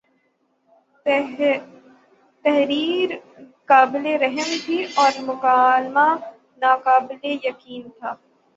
تحریر قابل رحم تھی اور مکالمہ ناقابل یقین تھا